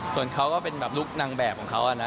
ส่วนเขาก็เป็นแบบลูกนางแบบของเขานะ